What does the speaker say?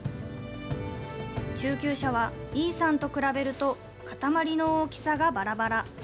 中級者は井さんと比べると、固まりの大きさがばらばら。